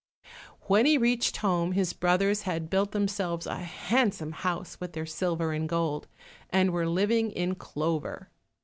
When he reached home, his brothers had built themselves a handsome house with their silver and gold, and were living in clover.